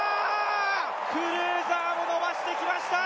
クルーザーも伸ばしてきました！